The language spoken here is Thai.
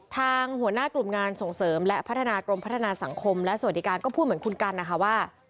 ทางหัวหน้ากลุ่มงานส่งเสริมและพัฒนากรมพัฒนาสังคมและสวัสดิการก็พูดเหมือนคุณกันนะคะว่า